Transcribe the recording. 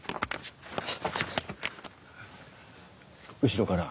後ろから。